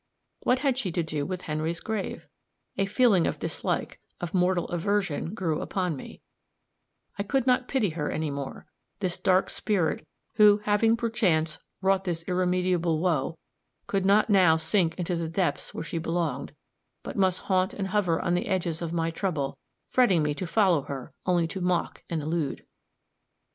What had she to do with Henry's grave? A feeling of dislike, of mortal aversion, grew upon me I could not pity her any more this dark spirit who, having perchance wrought this irremediable woe, could not now sink into the depths where she belonged, but must haunt and hover on the edges of my trouble, fretting me to follow her, only to mock and elude.